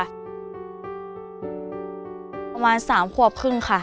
ประมาณ๓ขวบครึ่งค่ะ